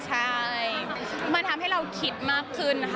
ใช่มันทำให้เราคิดมากขึ้นนะคะ